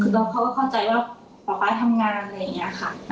คือเขาก็เข้าใจว่าป๊าป๊าทำงานอะไรอย่างนี้ค่ะ